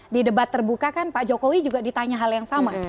di debat terbuka kan pak jokowi juga ditanya hal yang sama